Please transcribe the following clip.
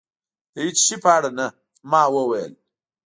د هېڅ شي په اړه نه. ما وویل.